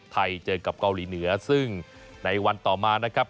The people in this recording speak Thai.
ไทยเจอกับเกาหลีเหนือซึ่งในวันต่อมานะครับ